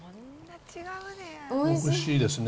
おいしいですね。